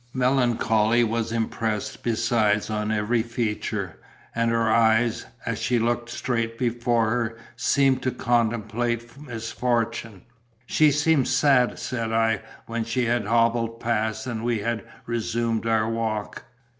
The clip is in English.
Melancholy was impressed besides on every feature, and her eyes, as she looked straight before her, seemed to contemplate misfortune. "She seems sad," said I, when she had hobbled past and we had resumed our walk.